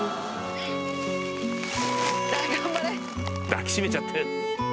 抱き締めちゃって。